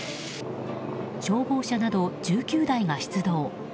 消防車など１９台が出動。